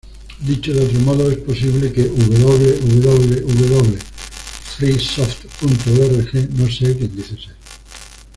Dicho de otro modo, es posible que "www.freesoft.org" no sea quien dice ser.